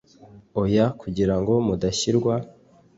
oya kugira ngo mudashyirwa